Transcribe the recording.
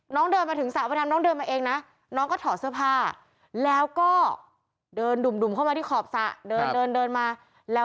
น้องเดินมาถึงสระพนามน้องได้เถิบมาเองนะ